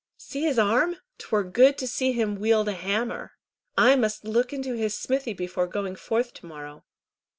See his arm! 'Twere good to see him wield a hammer! I must look into his smithy before going forth to morrow."